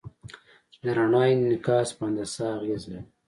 د رڼا انعکاس په هندسه اغېز لري.